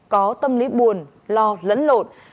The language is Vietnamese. có tâm lý buồn lo lẫn lột